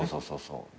そうそう。